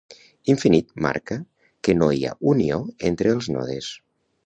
Infinit marca que no hi ha unió entre els nodes.